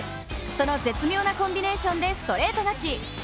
その絶妙なコンビネーションでストレート勝ち。